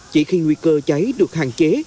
chỉ khi nguy cơ cháy được hạn chế